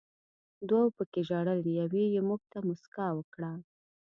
دوو پکې ژړل، یوې یې موږ ته موسکا وکړه.